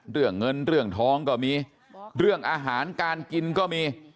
เรื่องเงินเรื่องทองก็มีเรื่องอาหารการกินก็มี